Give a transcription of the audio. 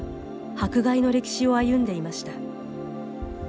迫害の歴史を歩んでいました。